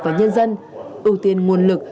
và nhân dân ưu tiên nguồn lực